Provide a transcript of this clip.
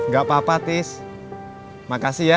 gak papa tis makasih ya